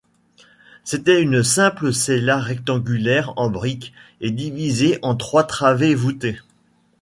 C'était une simple cella rectangulaire en briques et divisée en trois travées voûtées.